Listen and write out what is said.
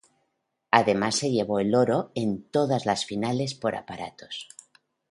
Además se llevó el oro en todas las finales por aparatos.